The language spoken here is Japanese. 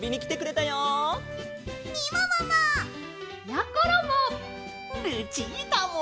やころも。